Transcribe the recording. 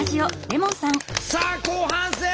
さあ後半戦！